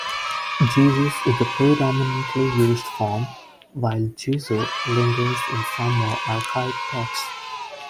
"Jesus" is the predominantly used form, while "Jesu" lingers in some more archaic texts.